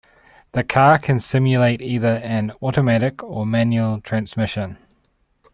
The car can simulate either an automatic or manual transmission.